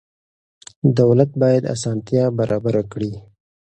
دولت باید اسانتیا برابره کړي.